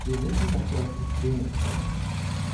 Wir wissen, dass wir auf Sie zählen können.